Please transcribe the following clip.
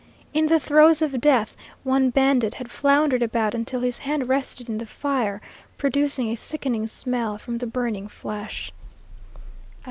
In the throes of death, one bandit had floundered about until his hand rested in the fire, producing a sickening smell from the burning flesh.